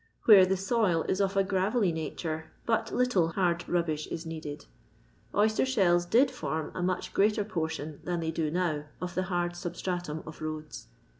Where the soil is of a gravelly nature, but little hard rubbish is needed. Oyster shells did form a much greater portion than they do now of Uie hard suhatratum of roads.